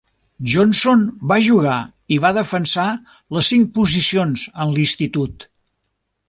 Johnson va jugar i va defensar les cinc posicions en l'institut.